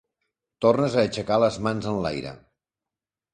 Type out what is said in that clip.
Tornes a aixecar les mans enlaire.